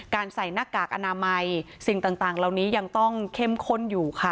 ใส่หน้ากากอนามัยสิ่งต่างเหล่านี้ยังต้องเข้มข้นอยู่ค่ะ